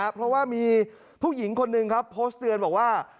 เพราะว่ามีผู้หญิงคนหนึ่งครับโพสต์เตือนบอกว่า